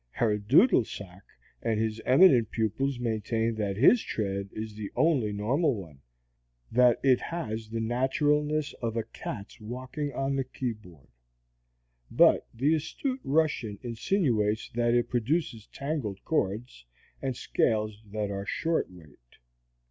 Herr Dudelsack and his eminent pupils maintain that his tread is the only normal one, that it has the naturalness of a cat's walking on the keyboard. But the astute Russian insinuates that it produces tangled chords and scales that are short weight.